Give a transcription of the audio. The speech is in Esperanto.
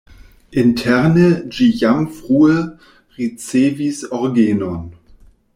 Interne ĝi jam frue ricevis orgenon.